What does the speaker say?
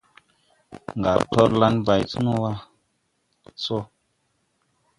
Ngar torlan bay ti no wa so.